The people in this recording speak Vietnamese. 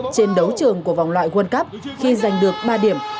trên đấu trường của vòng loại world cup khi giành được ba điểm